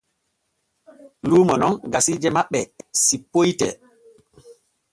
Luumo non gasiije maɓɓe sippoyte.